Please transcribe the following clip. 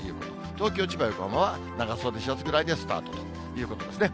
東京、千葉、横浜は長袖シャツぐらいでスタートというぐらいですね。